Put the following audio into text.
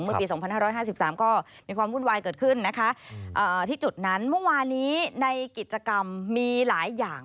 ปี๒๕๕๓ก็มีความวุ่นวายเกิดขึ้นนะคะที่จุดนั้นเมื่อวานี้ในกิจกรรมมีหลายอย่าง